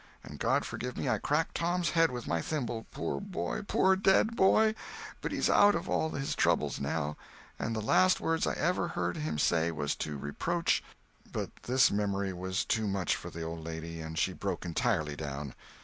And God forgive me, I cracked Tom's head with my thimble, poor boy, poor dead boy. But he's out of all his troubles now. And the last words I ever heard him say was to reproach—" But this memory was too much for the old lady, and she broke entirely down.